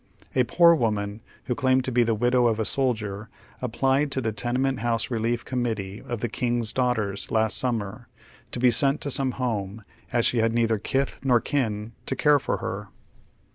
A poor woman, who claimed to be the widow of a soldier, applied to the TenemBnt house Relief CommittBe of The King's Daughters last summer, to be sent to Borne home, as she had neither kith nor kin to care for her.